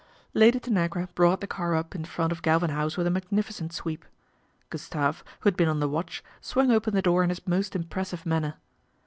Lady Tanagra brought the car up in front of Galvin House with a magnificent sweep. Gustave, who had been on the watch, swung open the door in his most impressive manner.